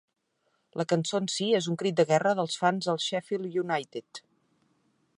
La cançó en si és un crit de guerra dels fans del Sheffield United.